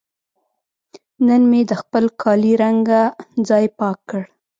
نن مې د خپل کالي رنګه ځای پاک کړ.